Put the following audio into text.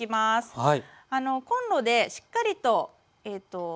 はい。